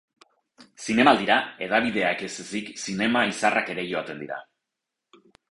Zinemaldira hedabideak ez ezik zinema izarrak ere joaten dira.